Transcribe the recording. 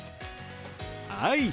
はい。